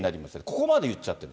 ここまで言っちゃってる。